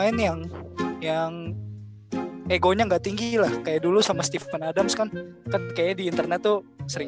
lain yang yang egonya enggak tinggi lah kayak dulu sama steven adams kan kayaknya di internet tuh sering